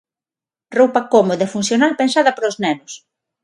Roupa cómoda e funcional pensada para os nenos.